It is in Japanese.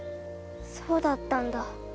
そうだったんだ。